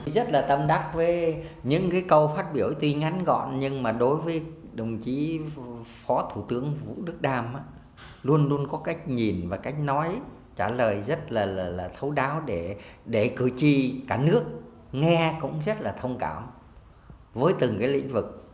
rất là tâm đắc với những câu phát biểu tuy ngắn gọn nhưng mà đối với đồng chí phó thủ tướng vũ đức đam luôn luôn có cách nhìn và cách nói trả lời rất là thấu đáo để cử tri cả nước nghe cũng rất là thông cảm với từng lĩnh vực